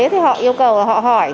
thì họ yêu cầu họ hỏi